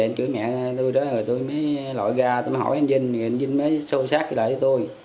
anh chửi mẹ tôi đó rồi tôi mới lội ra tôi mới hỏi anh vinh anh vinh mới xô xát lại với tôi